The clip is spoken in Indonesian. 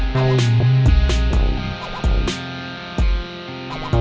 kok lo juga bingung aja